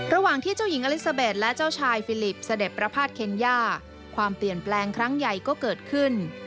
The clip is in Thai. ระหว่างที่เจ้าหญิงอลิซาเบสและเจ้าชายฟิลิปเสด็จประพาทเคนย่าความเปลี่ยนแปลงครั้งใหญ่ก็เกิดขึ้น